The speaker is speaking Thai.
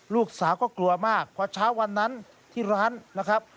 ลูกสาวก็กลัวมากพอเช้าวันนั้นที่ร้านนะครับ